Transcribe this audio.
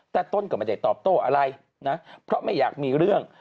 แต่ต้นก็ไม่ได้ตอบโต้อะไรนะเพราะไม่อยากมีเรื่อง